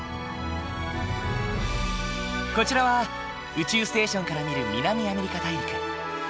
こちらは宇宙ステーションから見る南アメリカ大陸。